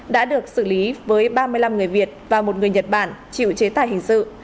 đã được xử lý với ba mươi năm người việt và một người nhật bản chịu chế tài hình sự